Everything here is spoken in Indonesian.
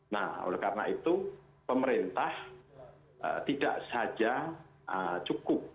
nah oleh karena itu pemerintah tidak saja cukup